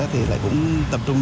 thì lại cũng tập trung